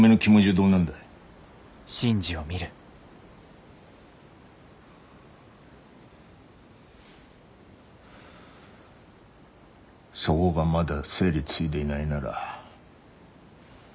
そごがまだ整理ついでいないなら。